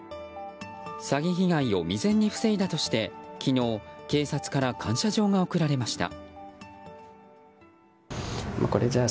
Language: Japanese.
詐欺被害を未然に防いだとして昨日、警察から感謝状が贈られました。